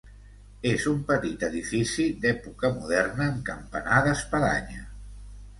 És un petit edifici d'època moderna amb campanar d'espadanya.